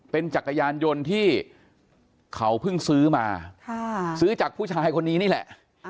เป็นจักรยานยนต์ที่เขาเพิ่งซื้อมาซื้อจากผู้ชายคนนี้นี่แหละ